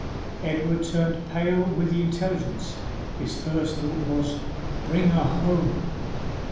Edward turned pale with the intelligence. His first thought was, 'Bring her home!